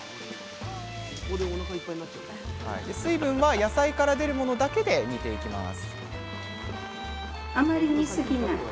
水分は野菜から出るものだけで煮ていきます